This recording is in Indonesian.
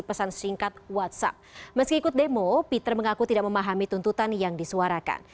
pesan singkat whatsapp meski ikut demo peter mengaku tidak memahami tuntutan yang disuarakan